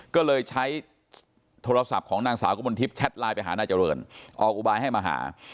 ก็เลยใช้โทรศัพท์ของนางสาวกมลทิพแชทไลน์ไปหานายเจริญออกอุบายให้มาหา